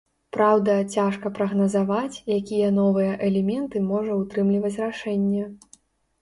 Праўда, цяжка прагназаваць, якія новыя элементы можа ўтрымліваць рашэнне.